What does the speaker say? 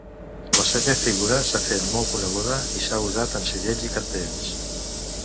La seva figura s'ha fet molt coneguda i s'ha usat en segells i cartells.